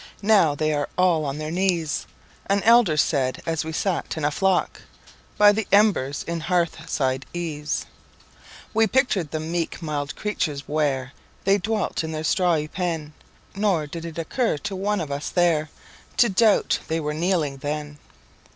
"Now they are all on their knees,"An elder said as we sat in a flock By the embers in hearthside ease. We pictured the meek mild creatures where They dwelt in their strawy pen, Nor did it occur to one of us there To doubt they were kneeling then.